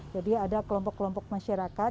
jadi ada kelompok kelompok masyarakat